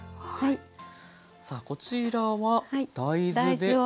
さあこちらは大豆で。